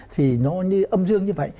thì nó như âm dương như vậy